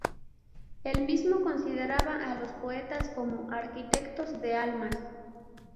Él mismo consideraba a los poetas como "arquitectos de almas".